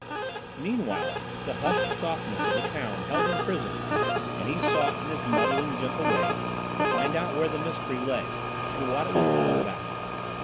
Meanwhile the hushed softness of the town held him prisoner and he sought in his muddling, gentle way to find out where the mystery lay, and what it was all about.